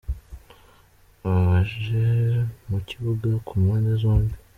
Ababanje mu kibuga ku mpande zombi.